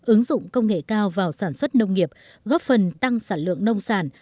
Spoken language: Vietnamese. ứng dụng công nghệ cao vào sản xuất nông nghiệp góp phần tăng sản lượng nông sản